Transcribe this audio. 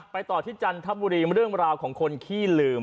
ต่อที่จันทบุรีเรื่องราวของคนขี้ลืม